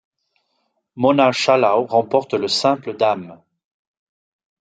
Mona Schallau remporte le simple dames.